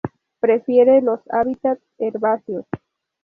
Prefiere los hábitats herbáceos.